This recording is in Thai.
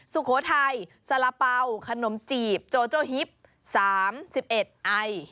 สุโขทัยสระเป๋าขนมจีบโจโจฮิปสามสิบเอ็ดไอ